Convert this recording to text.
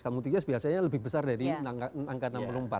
kalau multi years biasanya lebih besar dari angka enam puluh empat ya